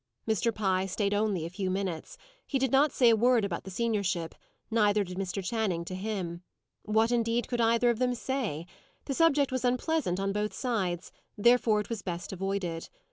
Mr. Pye stayed only a few minutes. He did not say a word about the seniorship, neither did Mr. Channing to him. What, indeed, could either of them say? The subject was unpleasant on both sides; therefore it was best avoided.